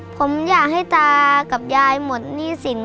ผมอยากให้ตากับยายหมดหนี้สิน